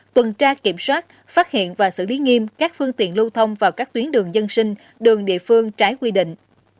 tuần tra kiểm soát phát hiện và xử lý nghiêm các phương tiện lưu thông vào các tuyến đường dân sinh đường địa phương trái quy định